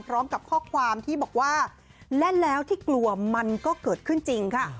พร้อมกับข้อความที่บอกว่าเล่นแล้วที่กลัวมันก็เกิดขึ้นจริงค่ะ